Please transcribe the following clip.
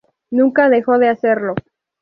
Nunca dejó de hacerlo.